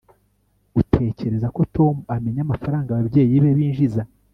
utekereza ko tom amenya amafaranga ababyeyi be binjiza